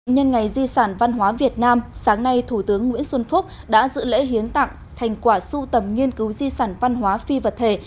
nhân ngày di sản văn hóa việt nam sáng nay thủ tướng nguyễn xuân phúc đã dự lễ hiến tặng thành quả sưu tầm nghiên cứu di sản văn hóa phi vật thể